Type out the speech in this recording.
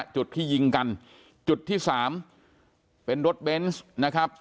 จุดที่ยิงกันจุดที่๓เป็นรถเบนส์นะครับ